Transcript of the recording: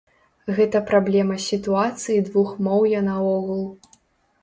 Гэта праблема сітуацыі двухмоўя наогул.